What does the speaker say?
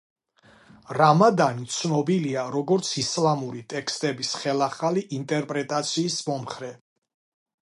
რამადანი ცნობილია, როგორც ისლამური ტექსტების ხელახალი ინტერპრეტაციის მომხრე.